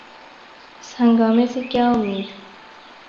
اس ہنگامے سے کیا امید؟